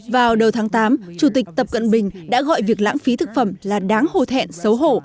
vào đầu tháng tám chủ tịch tập cận bình đã gọi việc lãng phí thực phẩm là đáng hồ thẹn xấu hổ